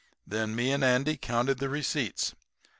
Then me and Andy counted the receipts.